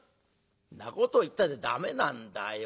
「んなこと言ったって駄目なんだよ。